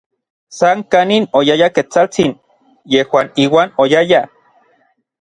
San kanin oyaya Ketsaltsin, yejuan iuan oyayaj.